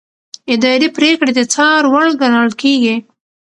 اداري پریکړې د څار وړ ګڼل کېږي.